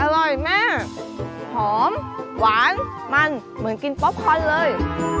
อร่อยมากหอมหวานมันเหมือนกินป๊อปคอนเลย